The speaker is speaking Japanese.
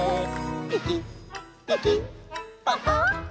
「ピキピキパカ！」